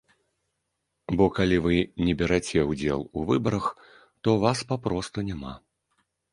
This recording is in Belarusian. Бо калі вы не бераце ўдзелу ў выбарах, то вас папросту няма.